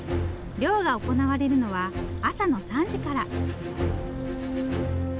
漁が行われるのは朝の３時から。